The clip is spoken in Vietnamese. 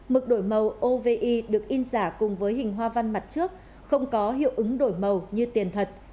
mực đổi màu ovi được in giả cùng với hình hoa văn mặt trước không có hiệu ứng đổi màu như tiền thật